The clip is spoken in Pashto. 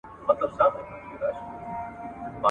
که داسي ونکړئ په مځکه کي څه پيښيږي؟